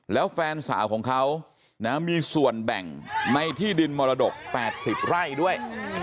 แล้วแฟนสาวของเขามีส่วนแบ่งในที่ดินมรดก๘๐ไร่ด้วย